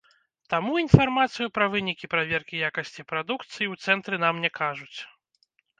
Таму інфармацыю пра вынікі праверкі якасці прадукцыі ў цэнтры нам не кажуць.